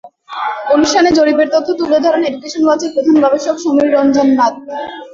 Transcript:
অনুষ্ঠানে জরিপের তথ্য তুলে ধরেন এডুকেশন ওয়াচের প্রধান গবেষক সমীর রঞ্জন নাথ।